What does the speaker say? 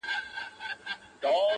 خوشحال په دې دى چي دا ستا خاوند دی.